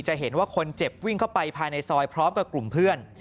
เห็นว่าคนเจ็บวิ่งเข้าไปภายในซอยพร้อมกับกลุ่มเพื่อน